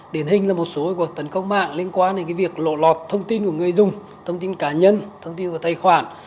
điển hình là một số cuộc tấn công mạng liên quan đến việc lộ lọt thông tin của người dùng thông tin cá nhân thông tin và tài khoản